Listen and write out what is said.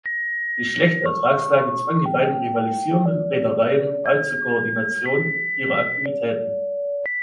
Die schlechte Ertragslage zwang die beiden rivalisierenden Reedereien bald zur Koordination ihrer Aktivitäten.